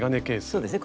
そうですね